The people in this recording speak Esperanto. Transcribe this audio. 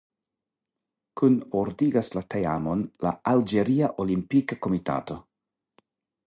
Kunordigas la teamon la Alĝeria Olimpika Komitato.